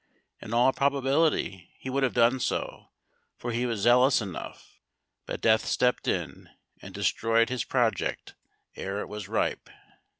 In all probability he would have done so, for he was zealous enough; but death stepped in, and destroyed his project ere it was ripe.